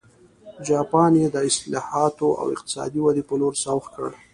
جاپان یې د اصلاحاتو او اقتصادي ودې په لور سوق کړ.